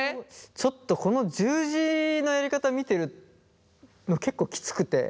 ちょっとこの十字のやり方見てるの結構きつくて。